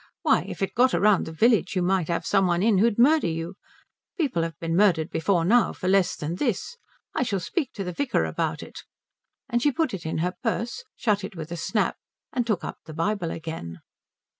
Why, if it got round the village you might have some one in who'd murder you. People have been murdered before now for less than this. I shall speak to the vicar about it." And she put it in her purse, shut it with a snap, and took up the Bible again.